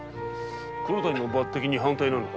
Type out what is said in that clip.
黒谷の抜擢に反対なのか？